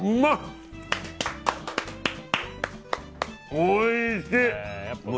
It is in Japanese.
おいしい！